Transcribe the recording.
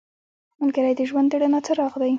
ملګری د ژوند د رڼا څراغ دی